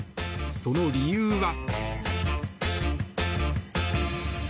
その理由は。